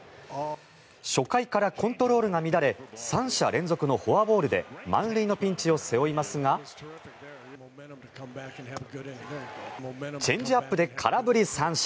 初回からコントロールが乱れ３者連続のフォアボールで満塁のピンチを背負いますがチェンジアップで空振り三振。